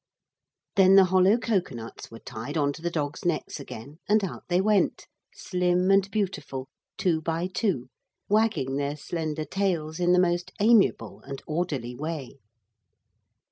Then the hollow cocoa nuts were tied on to the dogs' necks again and out they went, slim and beautiful, two by two, wagging their slender tails, in the most amiable and orderly way.